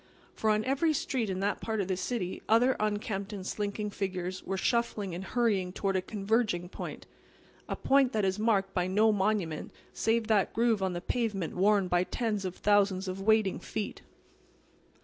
For on every street in that part of the city other unkempt and slinking figures were shuffling and hurrying toward a converging point—a point that is marked by no monument save that groove on the pavement worn by tens of thousands of waiting feet.